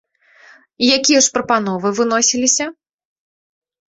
Якія ж прапановы выносіліся?